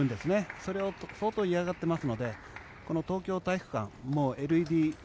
それを相当嫌がってますのでこの東京体育館ＬＥＤに